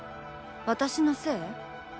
私のせい？